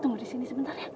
tunggu disini sebentar ya